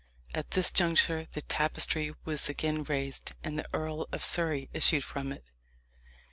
At this juncture the tapestry was again raised, and the Earl of Surrey issued from it.